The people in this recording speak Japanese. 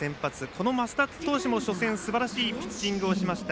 この升田投手も初戦すばらしいピッチングをしました。